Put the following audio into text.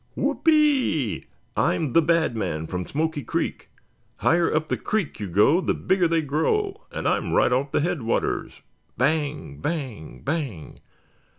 "Whoopee! I'm the Bad Man from Smoky Creek! Higher up the creek you go, the bigger they grow, and I'm right off the headwaters!" "Bang, bang, bang!"